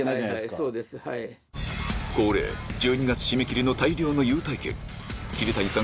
恒例１２月締め切りの大量の優待券桐谷さん